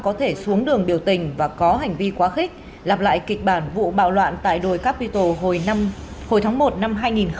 có thể xuống đường biểu tình và có hành vi quá khích lặp lại kịch bản vụ bạo loạn tại đồi capital hồi tháng một năm hai nghìn hai mươi